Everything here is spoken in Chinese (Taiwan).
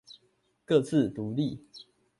各自獨立